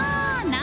何？